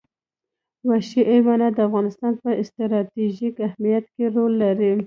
وحشي حیوانات د افغانستان په ستراتیژیک اهمیت کې رول لري.